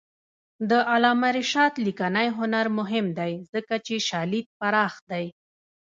د علامه رشاد لیکنی هنر مهم دی ځکه چې شالید پراخ دی.